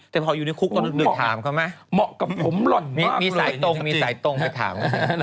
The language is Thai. แต่พออยู่ในคุกตอนนั้นเหมาะกับผมหล่นมากเลยมีสายตรงมีสายตรงไปถาม